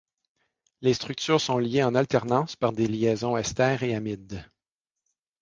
Les structures sont liées en alternance par des liaisons ester et amide.